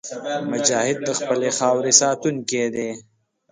مجاهد د خپلې خاورې ساتونکی دی.